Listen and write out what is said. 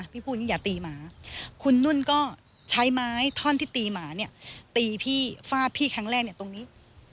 พี่พูดยิ่งอย่าตีหมาคุณนุ่นก็ใช้ไม้ท่อนที่ตีหมาเนี่ยตีพี่ฟาดพี่ครั้งแรกเนี่ยตรงนี้